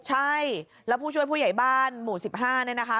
ใช่แล้วผู้ช่วยผู้ใหญ่บ้านหมู่๑๕เนี่ยนะคะ